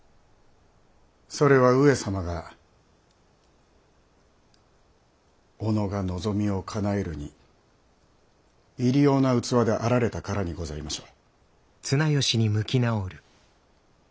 それは上様が己が望みをかなえるに入用な器であられたからにございましょう？